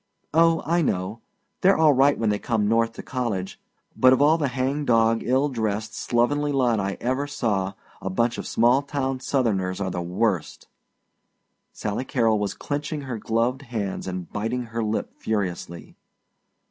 "Oh, I know. They're all right when they come North to college, but of all the hangdog, ill dressed, slovenly lot I ever saw, a bunch of small town Southerners are the worst!" Sally Carrol was clinching her gloved hands and biting her lip furiously.